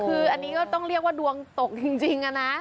คืออันนี้ก็ต้องเรียกว่าดวงตกจริงนะ